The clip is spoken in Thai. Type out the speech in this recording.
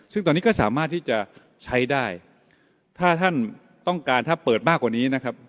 ซึ่งตอนนี้ก็สามารถที่จะใช้ได้ถ้าท่านต้องการถ้าเปิดมากกว่านี้นะครับ